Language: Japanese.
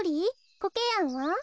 コケヤンは？